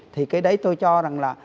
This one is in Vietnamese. thì cái đấy tôi cho rằng là